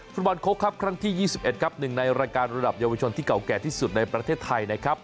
ฟุตบอลโค้กครับครั้งที่๒๑ครับหนึ่งในรายการระดับเยาวชนที่เก่าแก่ที่สุดในประเทศไทยนะครับ